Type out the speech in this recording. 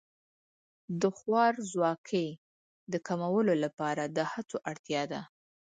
د خوارځواکۍ د کمولو لپاره د هڅو اړتیا ده.